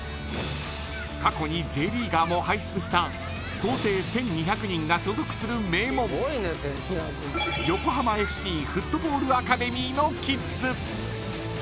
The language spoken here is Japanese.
過去にＪリーガーも輩出した総勢１２００人が所属する名門横浜ＦＣフットボールアカデミーのキッズ。